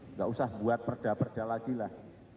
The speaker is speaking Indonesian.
nggak usah buat perda perda lagi lah